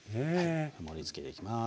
盛りつけていきます。